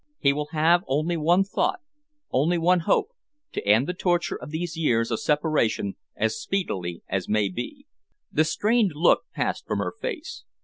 He will have only one thought, only one hope to end the torture of these years of separation as speedily as may be." The strained look passed from her face.